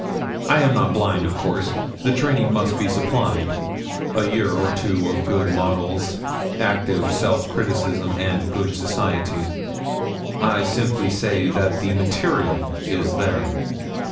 I am not blind, of course the training must be supplied; a year or two of good models, active self criticism, and good society. I simply say that the material is there.'